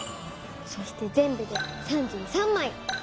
そしてぜんぶで３３まい。